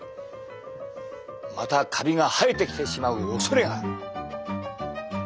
またカビが生えてきてしまうおそれがある。